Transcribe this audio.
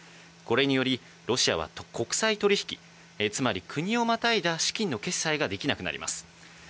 これによりロシアは国際取引、つまり国をまたいだ資金の決済ができなくなります。